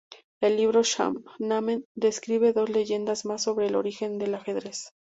El libro "Shāh-nāmeh" describe dos leyendas más sobre el origen del ajedrez.